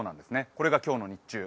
これが今日の日中。